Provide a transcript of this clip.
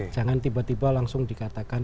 jangan tiba tiba langsung dikatakan